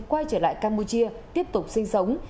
quay trở lại campuchia tiếp tục sinh sống